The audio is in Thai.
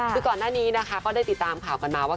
คือก่อนหน้านี้นะคะก็ได้ติดตามข่าวกันมาว่า